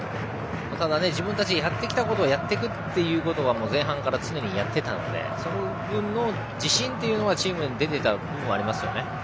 ただ自分たちがやってきたことをやっていくことは前半から常にやっていたのでその分の自信というのはチームに出ていたのはありますね。